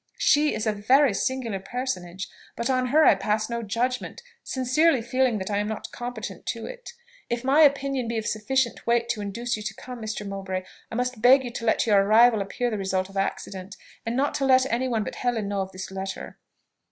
She is a very singular personage: but on her I pass no judgment, sincerely feeling that I am not competent to it. If my opinion be of sufficient weight to induce you to come, Mr. Mowbray, I must beg you to let your arrival appear the result of accident; and not to let any one but Helen know of this letter.